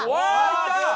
いった！